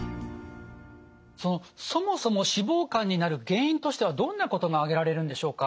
そもそも脂肪肝になる原因としてはどんなことが挙げられるんでしょうか？